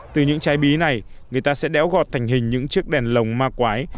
từ những trái bí này người ta sẽ đéo gọt thành hình những chiếc đèn lồng ma quái